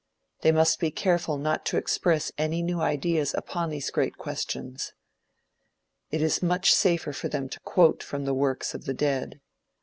They must be careful not to express any new ideas upon these great questions. It is much safer for them to quote from the works of the dead.